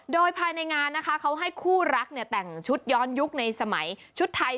โดยภายในงานนะคะเขาให้คู่รักแต่งชุดย้อนยุคในสมัยชุดไทย